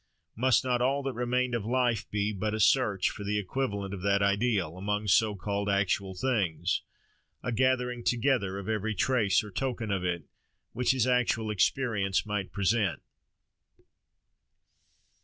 Must not all that remained of life be but a search for the equivalent of that Ideal, among so called actual things—a gathering together of every trace or token of it, which his actual experience might present?